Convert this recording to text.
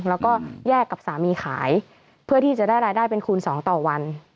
แล้วก็แยกกับสามีขายเพื่อที่จะได้รายได้เป็นคูณ๒ต่อวัน